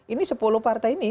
ini sepuluh partai ini